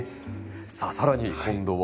さあ更に今度は？